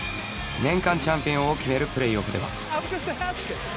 年間チャンピオンを決めるプレーオフでは